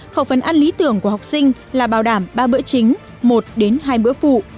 khẩu phần ăn lý tưởng của học sinh là bảo đảm ba bữa chính một đến hai bữa phụ